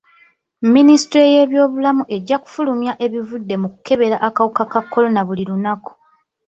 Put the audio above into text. Minisitule y'ebyobulamu ejja kufulumyanga ebivudde mu kukebera akawuka ka kolona buli lunaku.